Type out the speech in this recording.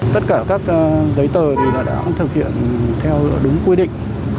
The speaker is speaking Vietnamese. tất cả các giấy tờ đã thực hiện theo đúng quy định